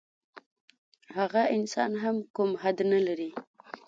هغه انسان هم کوم حد نه لري.